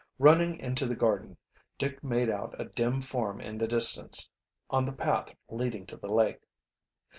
Running into the garden, Dick made out a dim form in the distance, on the path leading to the lake.